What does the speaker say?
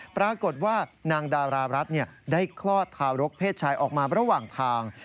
ปรากฏว่านางดารารัฐได้คลอดทารกเพศชายออกมาระหว่างทาง